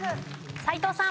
斎藤さん。